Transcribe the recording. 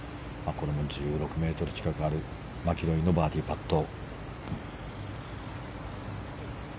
これも１６ｍ近くあるマキロイのバーディーパット。